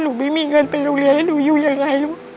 หนูไม่มีเงินไปโรงเรียนแล้วหนูอยู่อย่างไร